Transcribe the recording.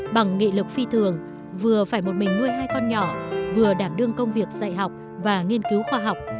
bằng nghị lực phi thường vừa phải một mình nuôi hai con nhỏ vừa đảm đương công việc dạy học và nghiên cứu khoa học